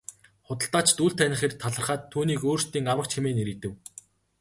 Худалдаачид үл таних эрд талархаад түүнийг өөрсдийн аврагч хэмээн нэрийдэв.